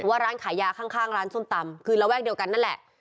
ว่าร้านขายยาข้างร้านส้มตำคือระแวกเดียวกันนั่นแหละ